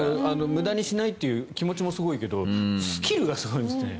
無駄にしないという気持ちもすごいけどスキルがすごいですね。